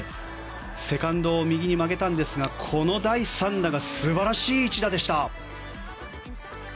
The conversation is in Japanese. セカンドを右に曲げたんですがこの第３打が素晴らしい一打でした。